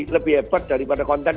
lebih hebat daripada konten